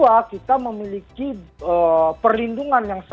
yang kedua kita memiliki perlindungan yang berbeda